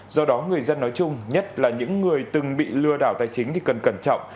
do đó người dân nói chung nhất là những người từng bị lừa đảo tài chính thì cần cẩn trọng